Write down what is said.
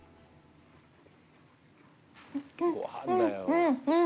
うんうん！